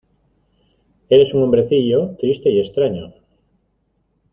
Eres un hombrecillo triste y extraño.